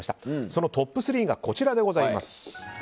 そのトップ３がこちらでございます。